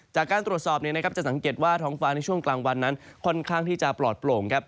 จากการตรวจสอบจะสังเกตว่าท้องฟ้าในช่วงกลางวันนั้นค่อนข้างที่จะปลอดโปร่งครับ